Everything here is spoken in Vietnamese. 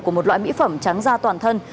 của một loại mỹ phẩm trắng da toàn thân